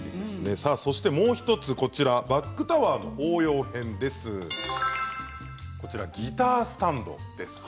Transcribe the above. もう１つバッグタワーの応用編ギタースタンドです。